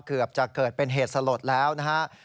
เกือบจะเกิดเป็นเหตุสลดแล้วนะฮะ